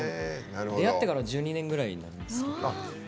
出会ってから１２年ぐらいなんですけど。